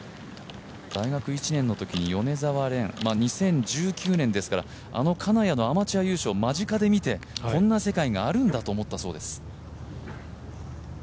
大学１年のときに米澤蓮、あの金谷のアマチュア優勝を間近で見て、こんな世界があるんだと思ったそうです。